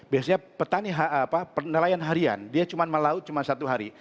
biasanya petani nelayan harian dia cuma melaut cuma satu hari